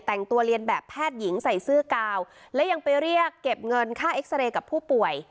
แต่งตัวเรียนแบบแพทย์หญิงใส่เสื้อกาวและยังไปเรียกเก็บเงินค่าเอ็กซาเรย์กับผู้ป่วย